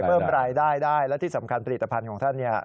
เพิ่มรายได้ได้และที่สำคัญผลิตภัณฑ์ของท่านเนี่ย